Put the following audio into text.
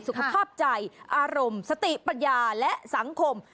สุขภาพใจอารมณ์สติปัญญาและสังคม